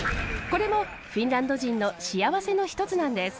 これもフィンランド人の幸せの一つなんです。